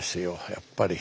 やっぱり。